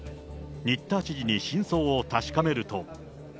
新田知事に真相を確かめると。